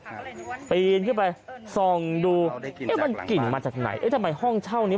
ปีนขึ้นไปส่องดูเอ๊ะมันกลิ่นมาจากไหนเอ๊ะทำไมห้องเช่านี้